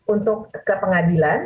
untuk ke pengadilan